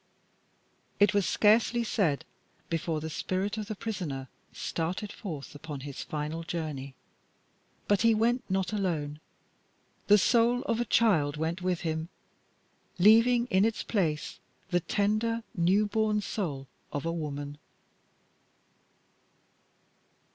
It was scarcely said before the spirit of the prisoner started forth upon his final journey, but he went not alone. The soul of a child went with him, leaving in its place the tender, newborn soul of a woman.